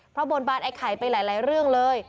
เพราะบนบานไอ้ไข่ไปหลายเรื่องเลย